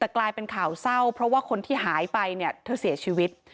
แต่กลายเป็นข่าวเศร้าเพราะว่าคนที่หายไปเนี่ยเธอเสียชีวิต